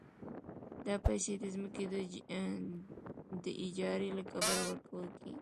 دا پیسې د ځمکې د اجارې له کبله ورکول کېږي